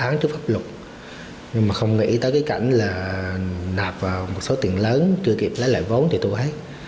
nhưng mà không nghĩ tới cái cảnh là nạp vào một số tiền lớn chưa kịp lấy lại vốn thì tôi ấy